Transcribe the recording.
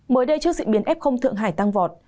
mới đây trước diễn biến f thượng hải tăng vọt